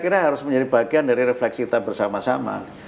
saya kira harus menjadi bagian dari refleksi kita bersama sama